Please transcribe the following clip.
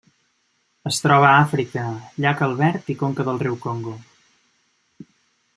Es troba a Àfrica: llac Albert i conca del riu Congo.